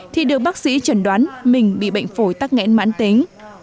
thì được bác sĩ chẩn đoán mình bị bệnh phổi tắc nghẽn mãn tính